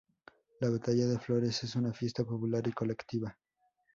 La Batalla de Flores es una fiesta popular y colectiva.